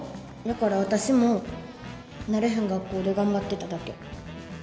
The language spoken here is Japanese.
だから私も慣れへん学校で頑張ってただけ。